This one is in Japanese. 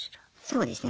そうですね。